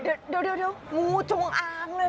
เดี๋ยวงูจงอ้างเลยเนอะ